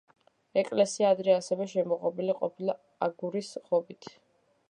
ეკლესია ადრე ასევე შემოღობილი ყოფილა აგურის ღობით.